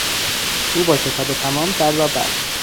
او با شتاب تمام در را بست.